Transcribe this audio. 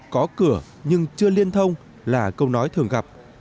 có cửa nhưng chưa liên thông là câu nói thường gặp